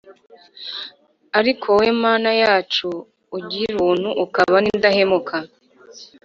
Ariko wowe, Mana yacu, ugira ubuntu ukaba n’indahemuka,